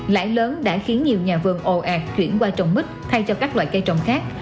lãi lớn đã khiến nhiều nhà vườn ồ ạt chuyển qua trồng mít thay cho các loại cây trồng khác